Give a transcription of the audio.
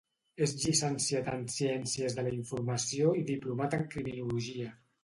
És llicenciat en Ciències de la Informació i diplomat en Criminologia.